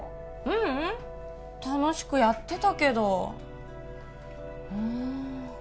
ううん楽しくやってたけどうん